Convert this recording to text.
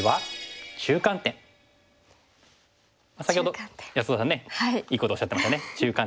先ほど安田さんねいいことおっしゃってましたね中間点。